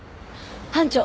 班長。